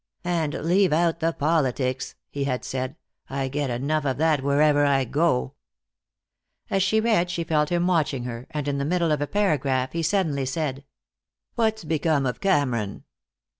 "And leave out the politics," he had said, "I get enough of that wherever I go." As she read she felt him watching her, and in the middle of a paragraph he suddenly said: "What's become of Cameron?"